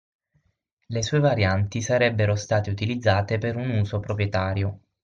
Le sue varianti saebbero state utilizzate per un uso proprietario.